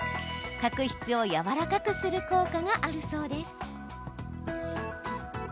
角質をやわらかくする効果があるそうです。